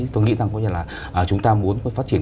tôi nghĩ rằng chúng ta muốn phát triển